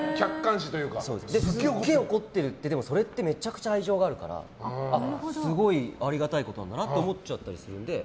すげえ怒っているって、でもそれはめちゃくちゃ愛情があるからすごいありがたいことなんだなって思っちゃったりするので。